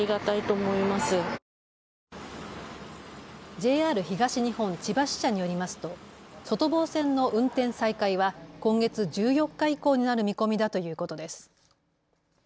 ＪＲ東日本千葉支社によりますと外房線の運転再開は今月１４日以降になる見込みだということです。